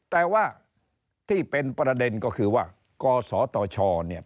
แต่ว่าที่เป็นประเด็นก็คือว่ากศตชเนี่ย